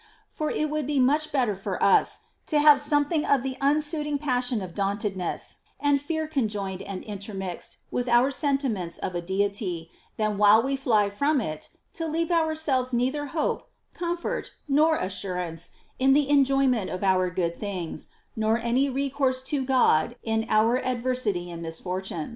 For it would be much better for us to have something of the unsuiting passion of dauntedness and fear conjoined and intermixed with our sentiments of a Deity, than while we fly from it, to leave ourselves neither hope, comfort, nor assurance in the enjoyment of our good things, nor any recourse to God in our adversity and misfortunes.